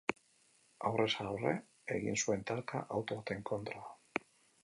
Aurrez aurre egin zuen talka auto baten kontra.